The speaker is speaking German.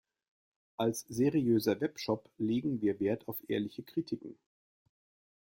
Als seriöser Webshop legen wir Wert auf ehrliche Kritiken.